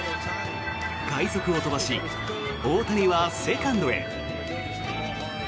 快足を飛ばし大谷はセカンドへ。